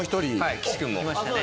岸君も。